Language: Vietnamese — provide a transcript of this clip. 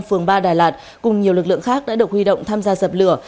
phường ba đà lạt cùng nhiều lực lượng khác đã được huy động tham gia dập lửa